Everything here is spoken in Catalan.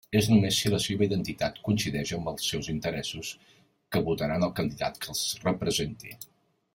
És només si la seva identitat coincideix amb els seus interessos, que votaran el candidat que els representi.